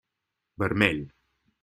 Vermell.